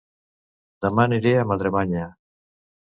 Dema aniré a Madremanya